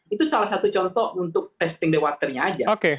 itu salah satu contoh untuk testing the waternya aja